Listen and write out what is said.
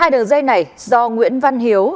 hai đường dây này do nguyễn văn hiếu